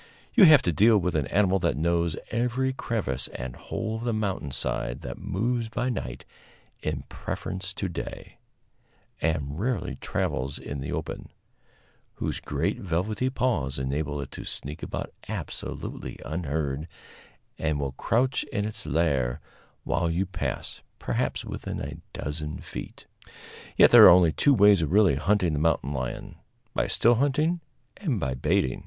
You have to deal with an animal that knows every crevice and hole of the mountain side, that moves by night in preference to day, and rarely travels in the open; whose great velvety paws enable it to sneak about absolutely unheard, and that will crouch in its lair while you pass, perhaps within a dozen feet. Yet there are only two ways of really hunting the mountain lion by still hunting and by baiting.